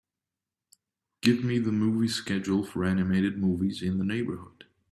Give me the movie schedule for animated movies in the neighbourhood